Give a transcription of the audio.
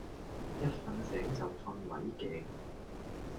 一瞓醒就瞓捩頸